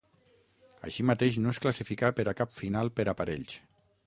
Així mateix no es classificà per a cap final per aparells.